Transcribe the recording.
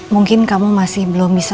mungkin kamu masih belum bisa